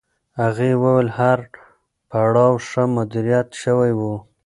هغې وویل هر پړاو ښه مدیریت شوی و.